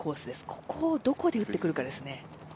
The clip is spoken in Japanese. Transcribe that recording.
ここをどこで打ってくるかですね。